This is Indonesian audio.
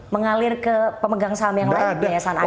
mengalir ke pemegang saham yang lain biayasan